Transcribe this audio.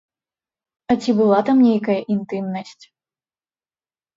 А ці была там нейкая інтымнасць?